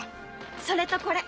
それとこれ！